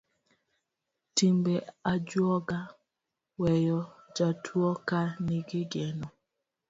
Timbe ajuoga weyo jatuo ka nigi geno.